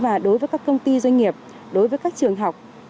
và đối với các công ty doanh nghiệp đối với các trường học